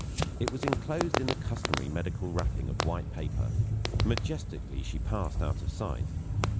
It was enclosed in the customary medical wrapping of white paper. Majestically, she passed out of sight.